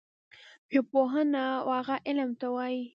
ژبپوهنه وهغه علم ته وايي